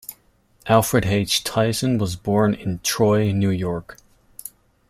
Alfred H. Thiessen was born in Troy, New York.